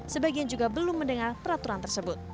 sebagian juga belum mendengar peraturan tersebut